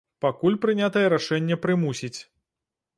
Пакуль прынятае рашэнне прымусіць.